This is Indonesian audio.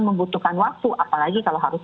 membutuhkan waktu apalagi kalau harus